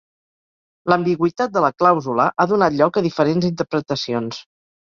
L'ambigüitat de la clàusula ha donat lloc a diferents interpretacions.